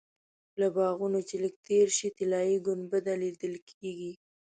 له باغونو چې لږ تېر شې طلایي ګنبده لیدل کېږي.